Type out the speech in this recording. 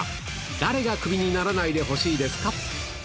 誰がクビにならないでほしいですか。